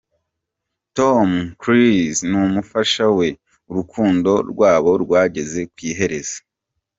Tom Cruise n'umufasha we urukundo rwabo rwageze ku iherezo.